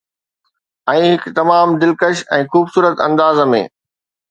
۽ هڪ تمام دلکش ۽ خوبصورت انداز ۾